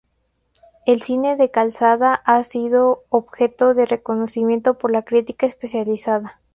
El cine de Calzada ha sido objeto de reconocimiento por la crítica especializada.